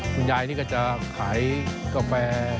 คุณยายนี่ก็จะขายกาแฟ